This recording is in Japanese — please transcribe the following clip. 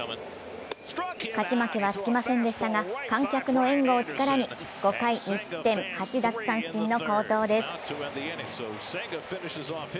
勝ち負けはつきませんでしたが観客の援護を力に、５回２失点８奪三振の好投です。